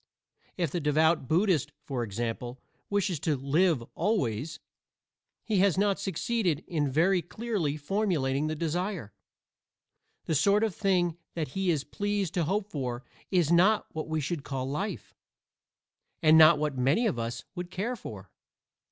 If the devout Buddhist, for example, wishes to "live always," he has not succeeded in very clearly formulating the desire. The sort of thing that he is pleased to hope for is not what we should call life, and not what many of us would care for.